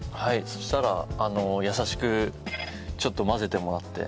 そしたら優しくちょっと混ぜてもらって。